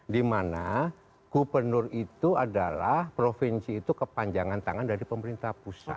dimana gubernur itu adalah provinsi itu kepanjangan tangan dari pemerintah pusat